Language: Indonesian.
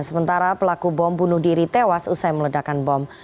sementara pelaku bom bunuh diri tewas usai meledakan bom